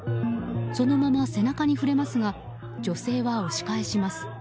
そのまま背中に触れますが女性は押し返します。